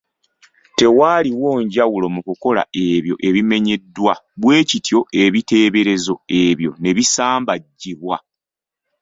Tewaaliwo njawulo mu kukola ebyo ebimenyeddwa, bwe kityo ebiteeberezo ebyo ne bisambajjibwa.